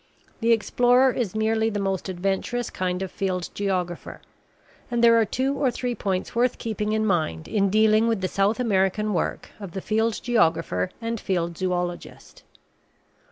The explorer is merely the most adventurous kind of field geographer; and there are two or three points worth keeping in mind in dealing with the South American work of the field geographer and field zoologist.